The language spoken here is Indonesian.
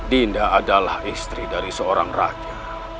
dinda adalah istri dari seorang raja